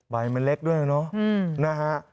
ใบมันเล็กด้วยเนอะนะฮะ